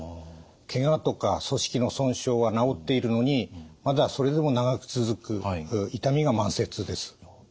けがとか組織の損傷は治っているのにまだそれでも長く続く痛みが慢性痛です。